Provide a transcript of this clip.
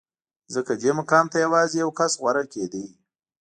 ځکه دې مقام ته یوازې یو کس غوره کېده